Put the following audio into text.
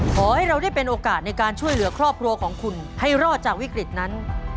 ขอให้เราได้เป็นโอกาสในการช่วยเหลือครอบครัวของคุณให้รอดจากวิกฤตนั้น